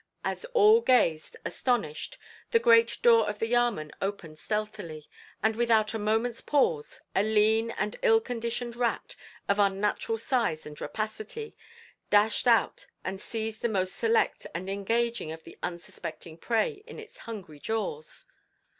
As all gazed, astonished, the great door of the Yamen opened stealthily, and without a moment's pause a lean and ill conditioned rat, of unnatural size and rapacity, dashed out and seized the most select and engaging of the unsuspecting prey in its hungry jaws.